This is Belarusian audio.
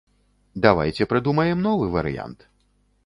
Давайце прыдумаем новы варыянт.